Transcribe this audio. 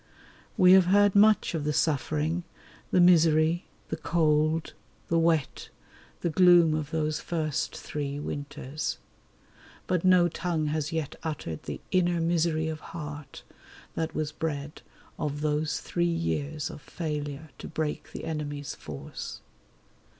We have heard much of the suffering, the misery, the cold, the wet, the gloom of those first three winters; but no tongue has yet uttered the inner misery of heart that was bred of those three years of failure to break the enemy's force.